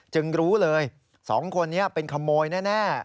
จึงรู้เลยสองคนนี้เป็นขโมยแน่